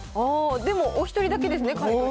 でもお１人だけですね。